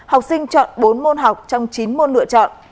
học sinh chọn bốn môn học trong chín môn lựa chọn